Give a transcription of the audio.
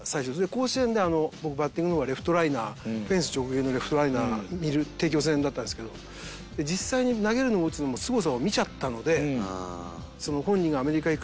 甲子園で僕バッティングの方はレフトライナーフェンス直撃のレフトライナー帝京戦だったんですけど実際に投げるのも打つのもすごさを見ちゃったので。